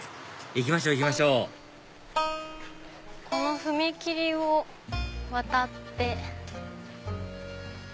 行きましょう行きましょうこの踏切を渡って。